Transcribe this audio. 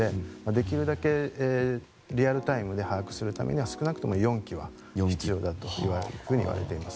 できるだけリアルタイムで把握するためには少なくとも４機は必要だといわれています。